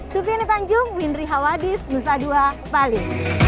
supriya netanjung windri hawadis yusa dua bali